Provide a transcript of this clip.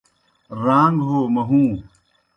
راݩگ ہو مہُوں